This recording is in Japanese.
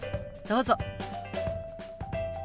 どうぞ。